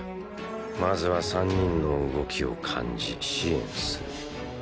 まずは３人の動きを感じ支援する。